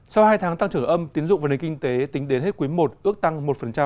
sau hai tháng tăng trưởng âm tiến dụng và nền kinh tế tính đến hết quý i ước tăng một